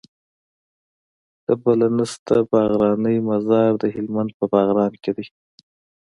د بله نسته باغرانی مزار د هلمند په باغران کي دی